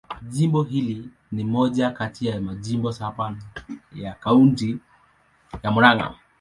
Jimbo hili ni moja kati ya majimbo saba ya Kaunti ya Murang'a.